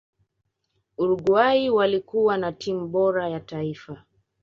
uruguay walikuwa na timu bora ya taifa